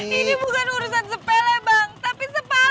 ini bukan urusan sepele bang tapi sepale